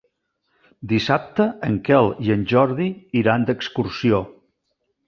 Dissabte en Quel i en Jordi iran d'excursió.